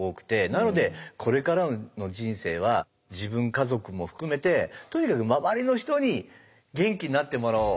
なのでこれからの人生は自分家族も含めてとにかく周りの人に元気になってもらおう。